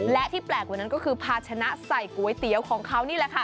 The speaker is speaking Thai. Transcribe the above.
และที่แปลกกว่านั้นก็คือภาชนะใส่ก๋วยเตี๋ยวของเขานี่แหละค่ะ